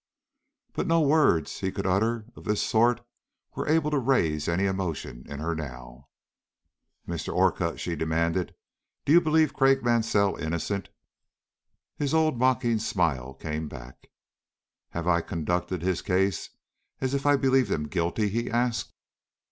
But no words he could utter of this sort were able to raise any emotion in her now. "Mr. Orcutt," she demanded, "do you believe Craik Mansell innocent?" His old mocking smile came back. "Have I conducted his case as if I believed him guilty?" he asked.